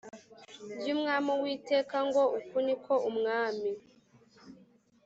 ry Umwami Uwiteka ngo Uku ni ko Umwami